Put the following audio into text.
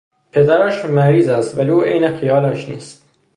پدرش مریض است ولی او عین خیالش نیست.